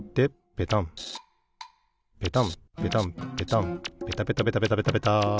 ペタンペタンペタンペタペタペタペタペタ！